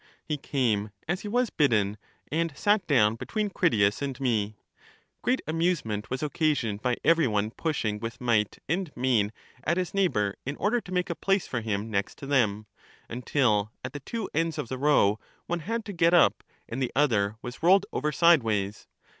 He came as he was bidden, and sat down between Critias and me. Great amusement was occasioned by every one pushing with might arid main at his neigh bor in order to make a place for him next to them, until at the two ends of the row one had to get up and the other was rolled over sideways.